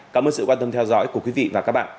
cảm ơn sự quan tâm theo dõi của quý vị và các bạn